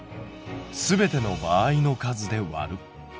すべての場合の数でわる。